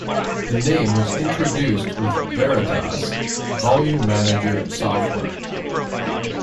The name was introduced with Veritas Volume Manager software.